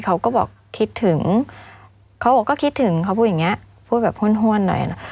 เขาก็บอกคิดถึงเขาบอกก็คิดถึงเขาพูดอย่างเงี้พูดแบบห้วนหน่อยนะ